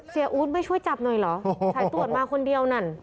อู๊ดไม่ช่วยจับหน่อยเหรอสายตรวจมาคนเดียวนั่น